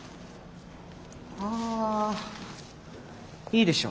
あいいでしょう。